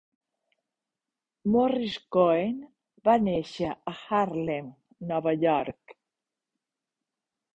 Morris Cohen va néixer a Harlem, Nova York.